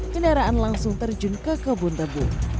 kendaraan langsung terjun ke kebun tebu